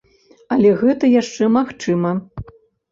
Але гэта яшчэ магчыма.